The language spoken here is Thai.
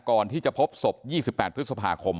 ก่อนที่จะพบศพยี่สิบแปดพฤษภาคม